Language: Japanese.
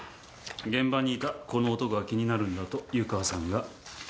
現場にいたこの男が気になるんだと湯川さんが。